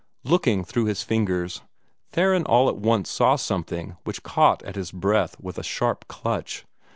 Looking through his fingers, Theron all at once saw something which caught at his breath with a sharp clutch.